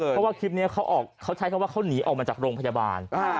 เพราะว่าคลิปนี้เขาใช้คำว่าเขาหนีออกมาจากโรงพยาบาล